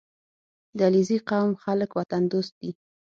• د علیزي قوم خلک وطن دوست دي.